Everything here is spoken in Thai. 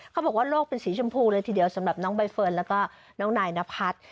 เขาบอกว่าโลกเป็นสีชมพูเลยทีเดียวสำหรับน้องใบเฟิร์นแล้วก็น้องนายนพัฒน์